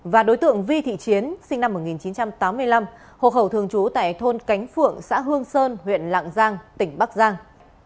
và đối tượng vi thị chiến sinh năm một nghìn chín trăm tám mươi năm hộ khẩu thường trú tại thôn cánh phượng xã hương sơn huyện lạng giang tỉnh bắc giang